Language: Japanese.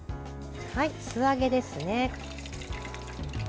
素揚げですね。